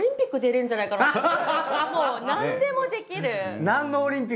もうなんでもできる。